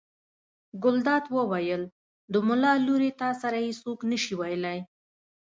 ګلداد وویل: د ملا لورې تا سره یې څوک نه شي ویلی.